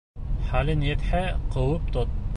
Хәлең етһә, ҡыуып тот!